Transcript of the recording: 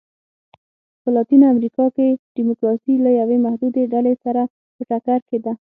په لاتینه امریکا کې ډیموکراسي له یوې محدودې ډلې سره په ټکر کې ده.